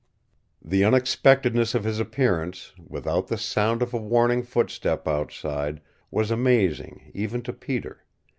The unexpectedness of his appearance, without the sound of a warning footstep outside, was amazing even to Peter.